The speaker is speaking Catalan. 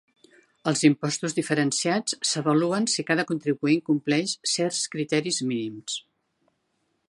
Els impostos diferenciats s'avaluen si cada contribuent compleix certs criteris mínims.